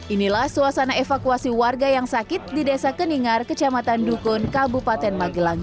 inilah suasana evakuasi warga yang sakit di desa keningar kecamatan dukun kabupaten magelang